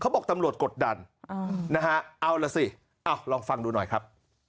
เขาบอกตำโหลดกดดันอ๋อนะฮะเอาล่ะสิเอ้าลองฟังดูหน่อยครับ